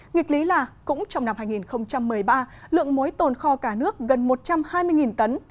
nghịch lý là cũng trong năm hai nghìn một mươi ba lượng muối tồn kho cả nước gần một trăm hai mươi tấn